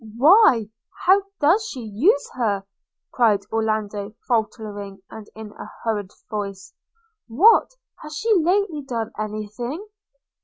'Why, how does she use her?' cried Orlando faltering and in a hurried voice: 'What! has she lately done any thing?'